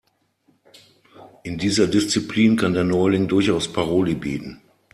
In dieser Disziplin kann der Neuling durchaus Paroli bieten.